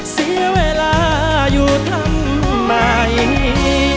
เสียเวลาอยู่ทำไม